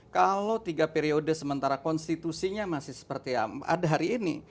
kalau tiga periode sementara konstitusinya masih seperti ada hari ini